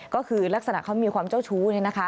ก็คือลักษณะเขามีความเจ้าชู้